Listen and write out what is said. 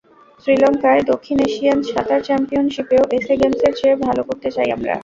শ্রীলঙ্কায় দক্ষিণ এশিয়ান সাঁতার চ্যাম্পিয়নশিপেও এসএ গেমসের চেয়ে ভালো করতে চাই আমরা।